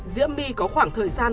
diễm my có khoảng thời gian